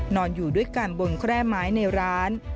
นอนอยู่ด้วยกันบนแคร่ไม้ในร้าน